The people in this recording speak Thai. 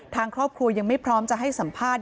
ทางครอบครัวยังไม่พร้อมจะให้สัมภาษณ์